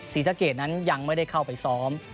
ศรีสะเกดนั้นยังไม่ได้เข้าไปซ้อม